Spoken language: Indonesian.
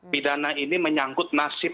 bidana ini menyangkut nasib